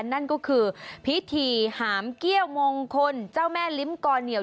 นั่นก็คือพิธีหามเกี้ยวมงคลเจ้าแม่ลิ้มกอเหนียว